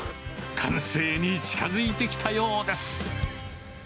完成に近づいてきたようです。